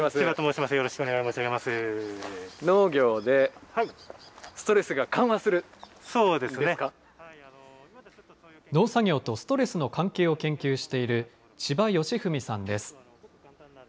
農作業とストレスの関係を研究している、千葉吉史さんです。